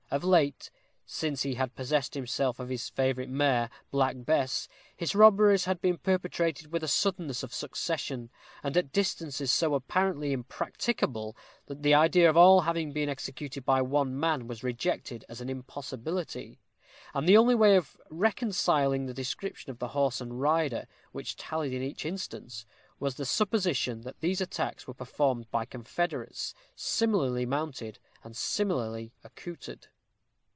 Of late, since he had possessed himself of his favorite mare, Black Bess, his robberies had been perpetrated with a suddenness of succession, and at distances so apparently impracticable, that the idea of all having been executed by one man, was rejected as an impossibility; and the only way of reconciling the description of the horse and rider, which tallied in each instance, was the supposition that these attacks were performed by confederates similarly mounted and similarly accoutred.